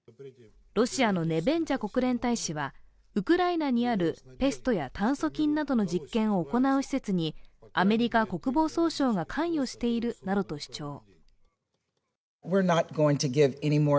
ロシアのネベンジャ国連大使は、ウクライナにあるペストや炭疽菌などの実験を行う施設にアメリカ国防総省が関与しているなどと主張。